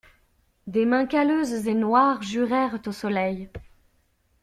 Des mains calleuses et noires jurèrent au soleil.